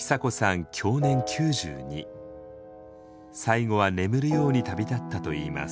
最期は眠るように旅立ったといいます。